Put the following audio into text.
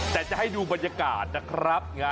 แต่จะให้ดูบรรยากาศนะครับ